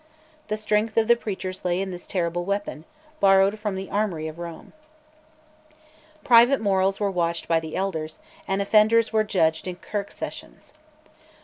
The strength of the preachers lay in this terrible weapon, borrowed from the armoury of Rome. Private morals were watched by the elders, and offenders were judged in kirk sessions.